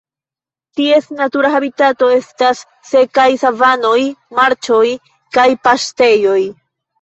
Ties natura habitato estas sekaj savanoj, marĉoj kaj paŝtejoj.